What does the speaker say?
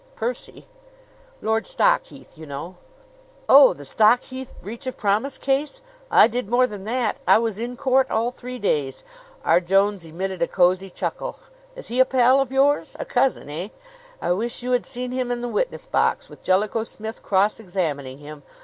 "Percy?" "Lord Stockheath, you know." "Oh, the Stockheath breach of promise case? I did more than that. I was in court all three days." R. Jones emitted a cozy chuckle. "Is he a pal of yours? A cousin, eh? I wish you had seen him in the witness box, with Jellicoe Smith cross examining him!